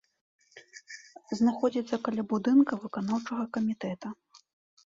Знаходзіцца каля будынка выканаўчага камітэта.